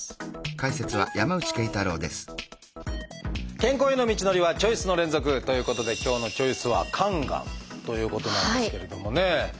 健康への道のりはチョイスの連続！ということで今日の「チョイス」は「肝がん」ということなんですけれどもね。